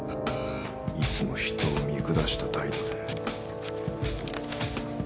いつも人を見下した態度で。